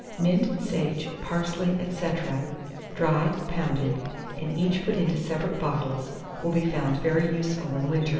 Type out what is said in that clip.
Mint, sage, parsley, &c., dried, pounded, and each put into separate bottles, will be found very useful in winter.